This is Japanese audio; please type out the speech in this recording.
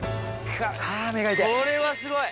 ああ、これはすごい。